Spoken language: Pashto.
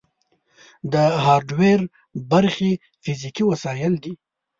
د هارډویر برخې فزیکي وسایل دي.